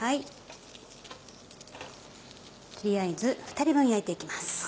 取りあえず２人分焼いて行きます。